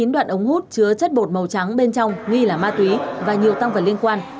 chín đoạn ống hút chứa chất bột màu trắng bên trong nghi là ma túy và nhiều tăng vật liên quan